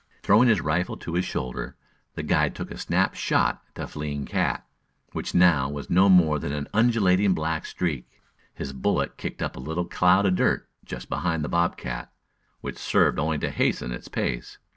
Throwing his rifle to his shoulder, the guide took a snap shot at the fleeing cat, which now was no more than an undulating black streak. His bullet kicked up a little cloud of dirt just behind the bob cat, which served only to hasten its pace.